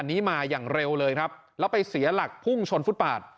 นี้มาอย่างเร็วเลยครับแล้วไปเสียหลักพุ่งชนฟุตปาด